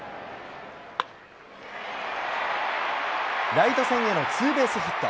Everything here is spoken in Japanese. ライト線へのツーベースヒット。